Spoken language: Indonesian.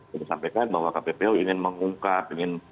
saya sampaikan bahwa kppu ingin mengungkap ingin